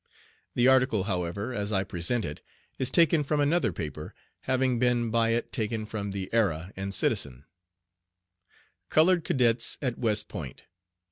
The article, however, as I present it, is taken from another paper, having been by it taken from the Era and Citizen: "COLORED CADETS AT WEST POINT.